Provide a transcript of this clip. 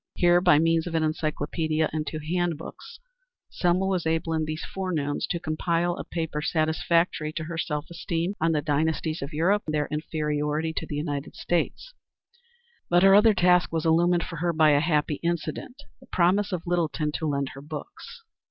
Here, by means of an encyclopædia and two hand books, Selma was able in three forenoons to compile a paper satisfactory to her self esteem on the dynasties of Europe and their inferiority to the United States, but her other task was illumined for her by a happy incident, the promise of Littleton to lend her books.